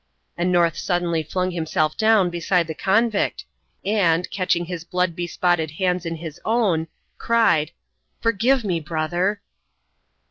And North suddenly flung himself down beside the convict, and, catching his blood bespotted hands in his own, cried, "Forgive me, brother!"